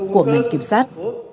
của ngành kiểm sát